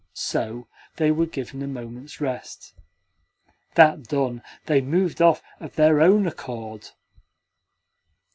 So they were given a moment's rest. That done, they moved off of their own accord!